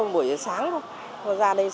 buổi sáng thôi